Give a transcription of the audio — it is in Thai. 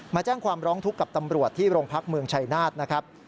มาแจ้งความร้องทุกข์กับตำรวจที่โรงพักเมืองชัยนาธนะครับ